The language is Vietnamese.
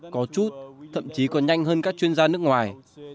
có chút thậm chí còn nhanh hơn các chuyên gia nước ngoài